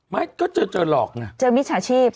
ไม่ก็เจอหลอกน่ะเจอมิตรอาชีพ